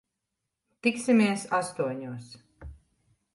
Tiksimies astoņos.